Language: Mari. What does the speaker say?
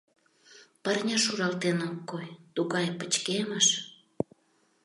Парня шуралтен ок кой: тугай пычкемыш...